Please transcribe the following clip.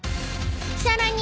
［さらに］